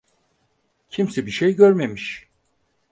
Kimse bir şey görmemiş.